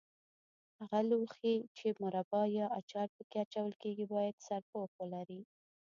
هغه لوښي چې مربا یا اچار په کې اچول کېږي باید سرپوښ ولري.